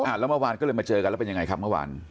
แล้วเมื่อวานก็เลยมาเจอกันแล้วเป็นยังไงครับเมื่อวาน